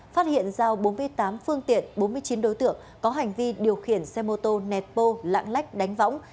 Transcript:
phát hiện giao bốn mươi tám phương tiện bốn mươi chín đối tượng có hành vi điều khiển xe mô tô nẹt bô lạng lách đánh võng